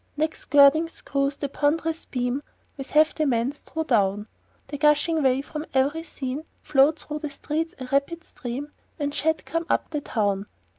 Next girding screws the ponderous beam, With heft immense, drew down; The gushing whey from every seam Flowed through the streets a rapid stream, And shad came up to town.